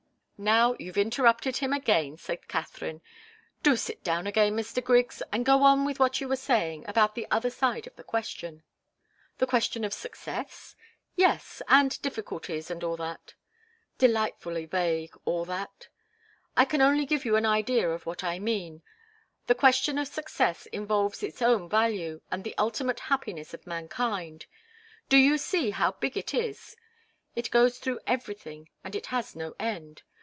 "Now you've interrupted him again," said Katharine. "Do sit down again, Mr. Griggs, and go on with what you were saying about the other side of the question." "The question of success?" "Yes and difficulties and all that." "Delightfully vague 'all that'! I can only give you an idea of what I mean. The question of success involves its own value, and the ultimate happiness of mankind. Do you see how big it is? It goes through everything, and it has no end.